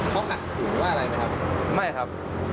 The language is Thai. เขาถัดสิว่าอะไรไหมครับ